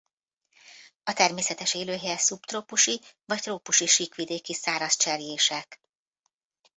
A természetes élőhelye szubtrópusi vagy trópusi síkvidéki száraz cserjések.